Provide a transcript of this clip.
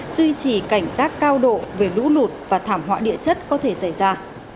duy trì cảnh giác cao độ về lũ lụt và thảm họa địa chất có thể xảy ra